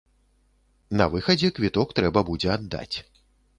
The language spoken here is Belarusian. На выхадзе квіток трэба будзе аддаць.